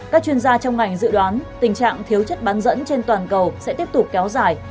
các chuyên gia trong ngành dự đoán tình trạng thiếu chất bán dẫn trên toàn cầu sẽ tiếp tục kéo dài